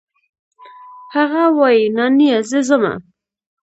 هغه وايي نانيه زه ځمه.